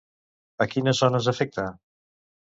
A quines zones afecta?